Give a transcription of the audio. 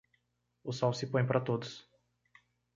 O sol se põe para todos.